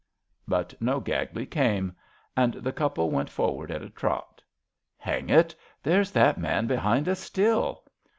'' But no Gagley came; and the couple went forward at a trot. Hang it I There's that man behind us still."